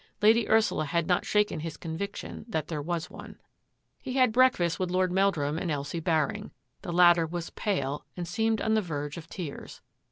Lady Ursula had not shaken his conviction that there was one. He had breakfarSt with Lord Meldmm and Elsie Baring. The latter was pale and seemed on the verge of tears.